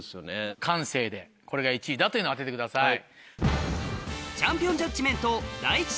感性でこれが１位だというのを当ててください。